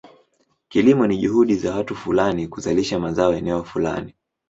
Kilimo ni juhudi za watu fulani kuzalisha mazao eneo fulani.